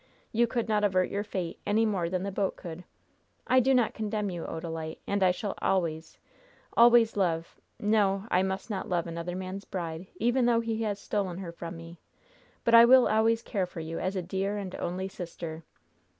You could not avert your fate any more than the boat could. I do not condemn you, Odalite. And I shall always always love no! I must not love another man's bride, even though he has stolen her from me; but I will always care for you as for a dear and only sister.